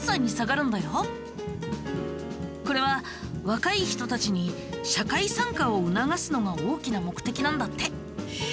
これは若い人たちに社会参加を促すのが大きな目的なんだって。